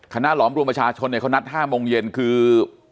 คณะหลอมรวมประชาชนเนี่ยเขานัด๕โมงเย็นคือ